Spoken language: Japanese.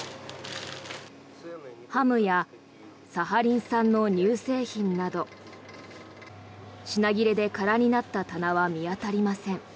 ハムやサハリン産の乳製品など品切れで空になった棚は見当たりません。